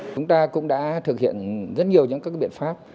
chúng ta cũng đã thực hiện rất nhiều những các biện pháp